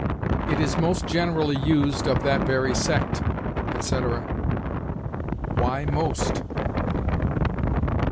"It is most generally used of that very sect," etc. Why most?